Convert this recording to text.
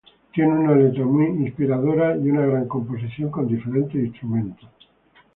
Tiene una letra muy inspiradora y una gran composición con diferentes instrumentos.